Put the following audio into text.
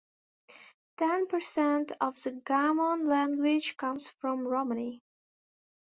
Ten percent of the Gammon language comes from Romani.